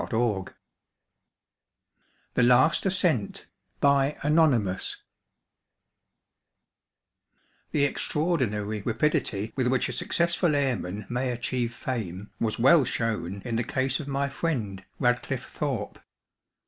VII THE LAST ASCENT The extraordinary rapidity with which a successful airman may achieve fame was well shown in the case of my friend, Radcliffe Thorpe.